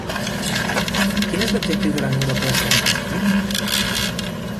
Quin és l'objectiu de la Unió Europea segons l'escrit?